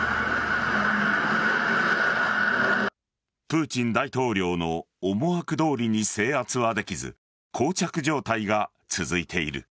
プーチン大統領の思惑どおりに制圧はできず膠着状態が続いている。